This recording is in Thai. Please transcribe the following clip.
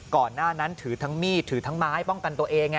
ก่อนหน้านั้นถือทั้งมีดถือทั้งไม้ป้องกันตัวเอง